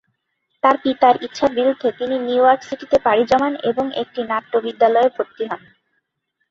তার পিতার ইচ্ছার বিরুদ্ধে তিনি নিউ ইয়র্ক সিটিতে পাড়ি জমান এবং একটি নাট্য বিদ্যালয়ে ভর্তি হন।